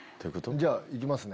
じゃあ行きますね。